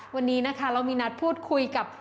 วันนี้นะคะเรามีนัดพูดคุยกับ